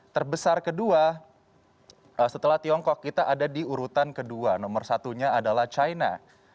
terbesar kedua setelah tiongkok kita ada di urutan kedua nomor satunya adalah china